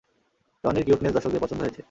টনির cuteness দর্শকদের পছন্দ হয়েছে।